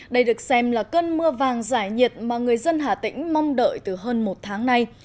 đây được xem là cơn mưa vàng giải nhiệt mà người dân hà tĩnh mong đợi từ hơn một tháng nay